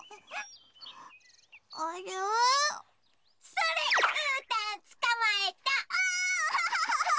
それっうーたんつかまえた！